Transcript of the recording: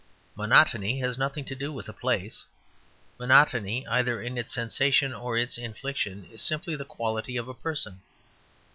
Monotony has nothing to do with a place; monotony, either in its sensation or its infliction, is simply the quality of a person.